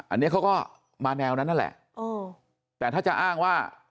อันนี้เขาก็มาแนวนั้นนั่นแหละแต่ถ้าจะอ้างว่า